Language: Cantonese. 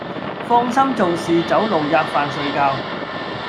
放心做事走路喫飯睡覺，